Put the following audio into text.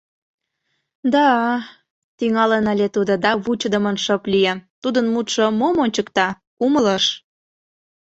— Да, — тӱҥалын ыле тудо да вучыдымын шып лие, тудын мутшо мом ончыкта, умылыш.